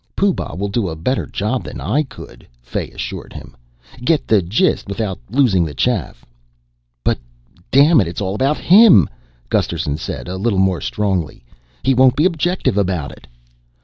"Pooh Bah will do a better job than I could," Fay assured him. "Get the gist without losing the chaff." "But dammit, it's all about him," Gusterson said a little more strongly. "He won't be objective about it."